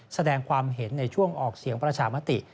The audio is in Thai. แสดงความเห็นในช่วงออกเสียงประชามติ